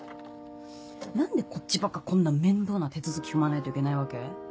何でこっちばっかこんな面倒な手続き踏まないといけないわけ？